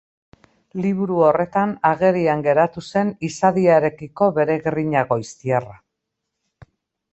Liburu horretan agerian geratu zen izadiarekiko bere grina goiztiarra.